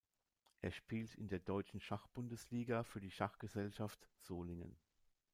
Er spielt in der deutschen Schachbundesliga für die Schachgesellschaft Solingen.